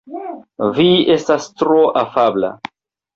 Vi estas tro afabla.